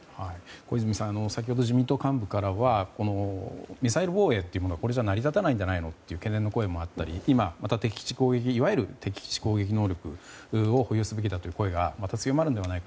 小泉さん先ほど自民党幹部からはミサイル防衛というものがこれじゃ成り立たないという懸念の声もあったり今、またいわゆる敵基地攻撃能力を保有すべきだという声もありました。